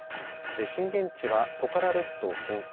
震源地はトカラ列島近海。